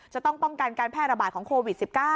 จะต้องป้องกันการแพร่ระบาดของโควิด๑๙